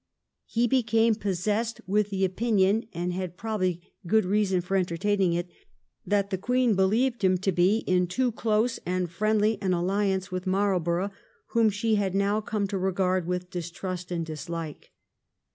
He became possessed with the opinion, and had prob ably good reason for entertaining it, that the Queen believed him to be in too close and friendly an alliance with Marlborough, whom she had now come to regard with distrust and dislike.